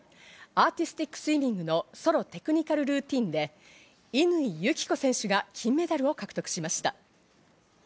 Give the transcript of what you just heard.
アーティスティックスイミングのソロ・テクニカルルーティンで乾友紀子選手が金メダルを獲得しました。